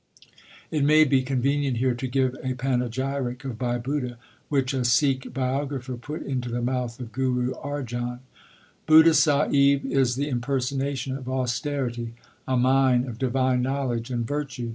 It may be convenient here to give a panegyric of Bhai Budha, which a Sikh biographer put into the mouth of Guru Arjan : Budha Sahib is the impersonation of austerity, a mine of divine knowledge and virtue.